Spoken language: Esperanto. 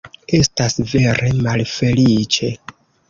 Estas vere malfeliĉe.